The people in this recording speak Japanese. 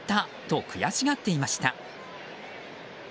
と悔しがっていました。